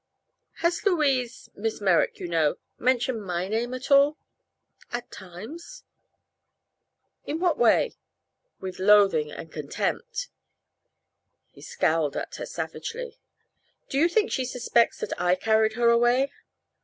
"Has Louise Miss Merrick, you know mentioned my name at all?" "At times." "In what way?" "With loathing and contempt." He scowled at her savagely. "Do you think she suspects that I carried her away?"